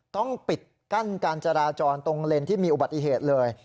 ต้องปิดกั้นการจราจรตรงเลนที่มีอุบัติเหตุเลย